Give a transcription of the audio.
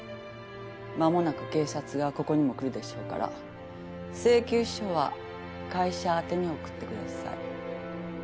まもなく警察がここにも来るでしょうから請求書は会社宛てに送ってください。